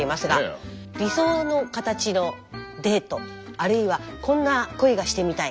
理想の形のデートあるいはこんな恋がしてみたい。